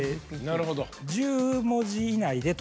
１０文字以内でとか。